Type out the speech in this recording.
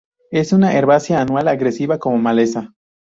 Es una herbácea anual, agresiva como maleza.